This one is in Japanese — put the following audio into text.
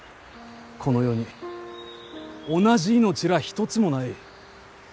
この世に同じ命らあ一つもない。